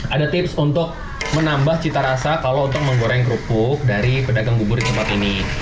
ada tips untuk menambah cita rasa kalau untuk menggoreng kerupuk dari pedagang bubur di tempat ini